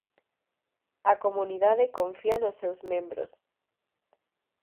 A comunidade confía nos seus membros.